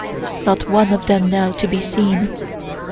Not one of them now to be seen.